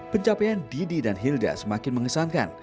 pencapaian didi dan hilda semakin mengesankan